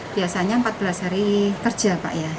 biasanya empat belas hari kerja pak ya